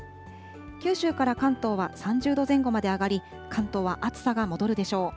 九州から関東は３０度前後まで上がり、関東は暑さが戻るでしょう。